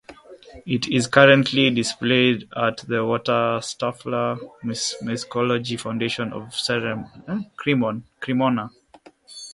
It is currently displayed at the Walter Stauffer Musicological Foundation of Cremona.